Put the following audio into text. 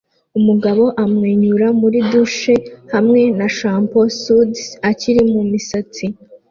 Umugabo amwenyura muri douche hamwe na shampoo suds akiri mumisatsi